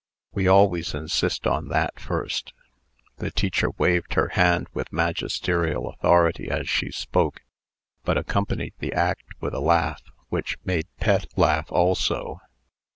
We always insist on that first." The teacher waved her hand with magisterial authority as she spoke, but accompanied the act with a laugh, which made Pet laugh also.